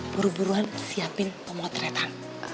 buruan buruan siapin pemotretan